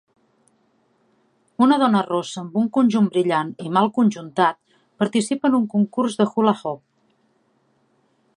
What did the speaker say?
Una dona rossa amb un conjunt brillant i mal conjuntat participa en un concurs de hula hoop.